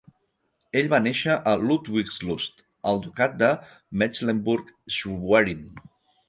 Ell va néixer a Ludwigslust en el Ducat de Mecklenburg-Schwerin.